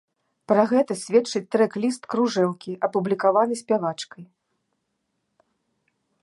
Пра гэта сведчыць трэк-ліст кружэлкі, апублікаваны спявачкай.